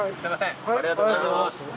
ありがとうございます。